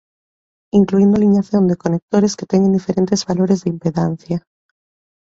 Incluíndo a aliñación de conectores que teñen diferentes valores de impedancia.